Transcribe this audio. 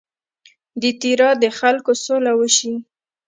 د تیرا د خلکو سوله وشي.